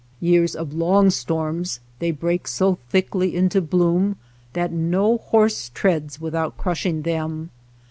Years of long storms they break so thickly into bloom that no horse treads without crushing them.